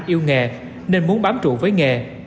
yêu nghề nên muốn bám trụ với nghề